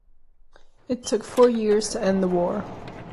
It took four years to end the war.